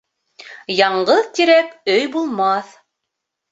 Яңғыҙ тирәк өй булмаҫ